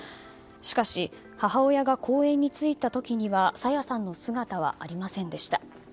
しかし、母親が公園に着いた時には朝芽さんの姿はありませんでした。